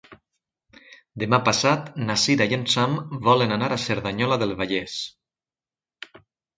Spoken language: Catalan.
Demà passat na Cira i en Sam volen anar a Cerdanyola del Vallès.